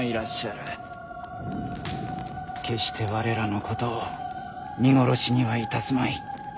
決して我らのことを見殺しにはいたすまい。